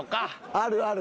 あるある。